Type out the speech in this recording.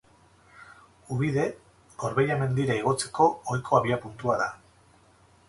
Ubide, Gorbeia mendira igotzeko ohiko abiapuntua da.